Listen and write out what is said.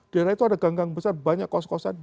di area itu ada gang gang besar banyak kos kosan